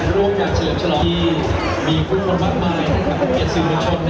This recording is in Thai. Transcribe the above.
ในการรวมกันเฉลจรองที่มีคุณคนมากมายครับ